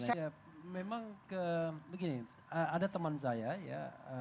saya memang ke begini ada teman saya ya